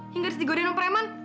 yang gadis digodain sama preman